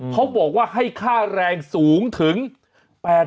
เขาบอกว่าให้ค่าแรงสูงถึง๘๐๐บาท